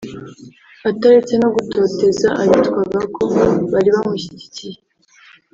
ataretse no gutoteza abitwaga ko bari bamushyigikiye